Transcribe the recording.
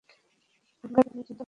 থাঙ্গারাজ, অতীত নিয়ে চিন্তা করো না।